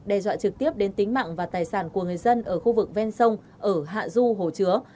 đe dọa trực tiếp đến tính mạng và tài sản của người dân ở khu vực ven sông ở hạ du hồ chứa